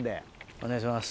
お願いします。